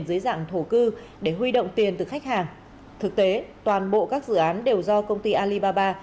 dưới dạng thổ cư để huy động tiền từ khách hàng thực tế toàn bộ các dự án đều do công ty alibaba